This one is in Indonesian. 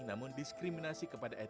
namun diskriminasi kepada energi